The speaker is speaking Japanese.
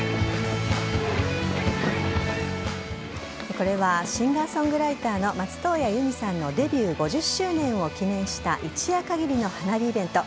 これはシンガーソングライターの松任谷由実さんのデビュー５０周年を記念した一夜限りの花火イベント。